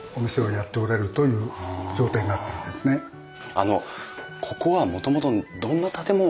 あのここはもともとどんな建物？